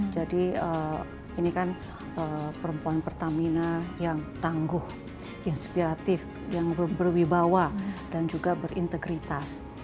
jadi ini kan perempuan pertamina yang tangguh inspiratif yang berwibawa dan juga berintegritas